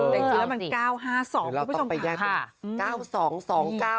แต่เจอแล้วเหมือน๙๕๒คุณผู้ชมค่ะ